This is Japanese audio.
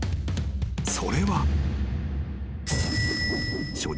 ［それは］